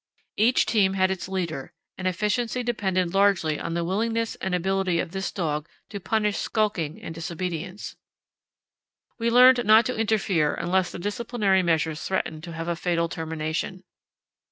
Each team had its leader, and efficiency depended largely on the willingness and ability of this dog to punish skulking and disobedience. We learned not to interfere unless the disciplinary measures threatened to have a fatal termination.